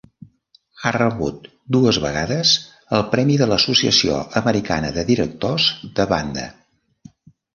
Ha rebut dues vegades el Premi de l'Associació Americana de directors de Banda.